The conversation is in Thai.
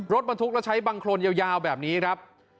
รถบรรทุกแล้วใช้บังโครนยาวแบบนี้ครับ